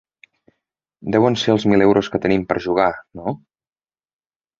Deuen ser els mil euros que tenim per jugar, no?